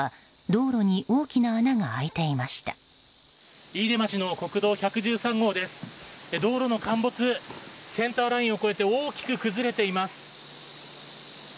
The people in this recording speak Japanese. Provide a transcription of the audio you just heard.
道路の陥没センターラインを越えて大きく崩れています。